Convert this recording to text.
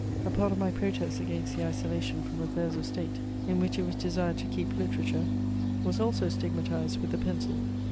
A part of my protest against the isolation from affairs of State, in which it was desired to keep literature, was also stigmatized with the pencil.